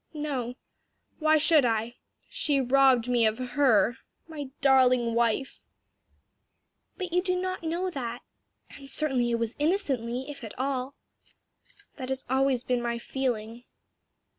"No; why should I? she robbed me of her my darling wife." "But you do not know that? and certainly it was innocently, if at all." "That has always been my feeling."